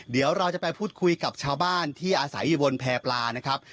เดี๋ยวเราจะไปพูดคุยกับชาวบ้านที่อาศัยอยู่บนแพร่ปลานะครับ